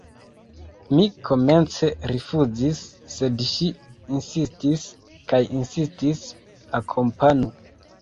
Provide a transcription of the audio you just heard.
Mi komence rifuzis, sed ŝi insistis kaj insistis: Akompanu!